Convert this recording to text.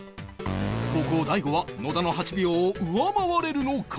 後攻大悟は野田の８秒を上回れるのか？